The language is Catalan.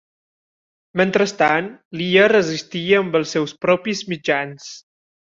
Mentrestant l'illa resistia amb els seus propis mitjans.